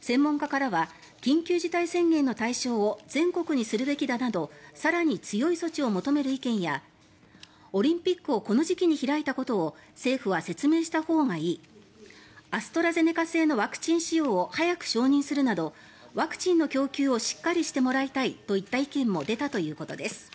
専門家からは緊急事態宣言の対象を全国にするべきだなど更に強い措置を求める意見やオリンピックをこの時期に開いたことを政府は説明したほうがいいアストラゼネカ製のワクチン使用を早く承認するなどワクチンの供給をしっかりもらいたいといった意見なども出たということです。